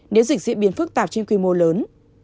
nếu dịch diễn biến phức tạp trên quy mô lớn